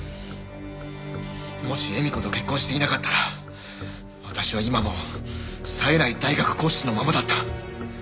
もし絵美子と結婚していなかったら私は今も冴えない大学講師のままだった。